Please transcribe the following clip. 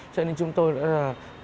cho nên chúng tôi đã